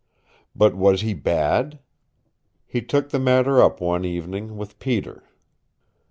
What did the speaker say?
But was he bad? He took the matter up one evening, with Peter.